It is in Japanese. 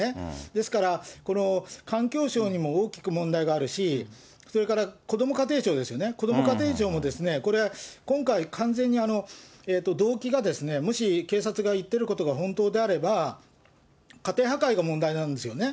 ですから、この環境省にも大きく問題があるし、それからこども家庭庁ですよね、こども家庭庁もですね、これ、今回、完全に動機が、もし警察が言ってることが本当であれば、家庭破壊が問題なんですよね。